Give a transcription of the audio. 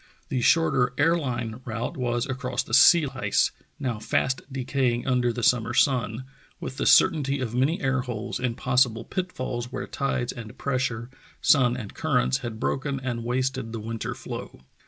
The shorter air line route was across the sea ice, now fast decaying under the summer sun, with the certainty of many air holes and possible pitfalls where tides and Parr's Lonely March 261 pressure, sun and currents had broken and wasted the winter floe.